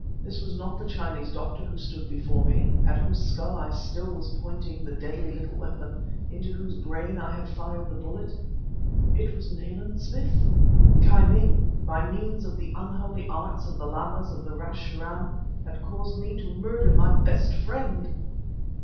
This was not the Chinese doctor who stood before me, at whose skull I still was pointing the deadly little weapon, into whose brain I had fired the bullet; it was Nayland Smith! Ki Ming, by means of the unholy arts of the Lamas of Rache Churân, had caused my to murder my best friend!